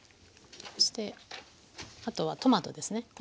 そしてあとはトマトですね。